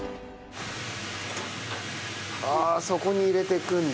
ああそこに入れていくんだ。